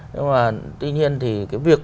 nhưng mà tuy nhiên thì cái việc